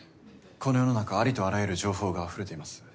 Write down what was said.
この世の中ありとあらゆる情報があふれています。